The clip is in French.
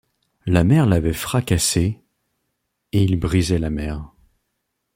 La mer l’avait fracassé, et il brisait la mer.